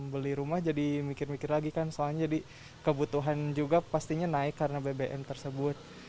beli rumah jadi mikir mikir lagi kan soalnya jadi kebutuhan juga pastinya naik karena bbm tersebut